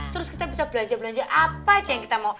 terus kita bisa belanja belanja apa aja yang kita mau